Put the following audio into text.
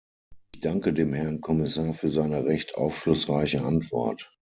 Ich danke dem Herrn Kommissar für seine recht aufschlussreiche Antwort.